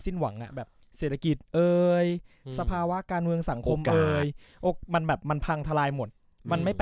สิ้นหวังนะ